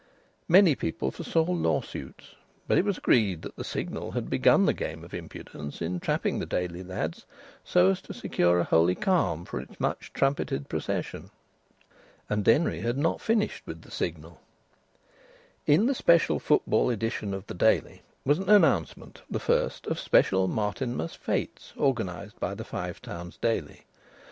Many people foresaw law suits, but it was agreed that the Signal had begun the game of impudence in trapping the Daily lads so as to secure a holy calm for its much trumpeted procession. And Denry had not finished with the Signal. In the special football edition of the Daily was an announcement, the first, of special Martinmas fêtes organised by the Five Towns Daily.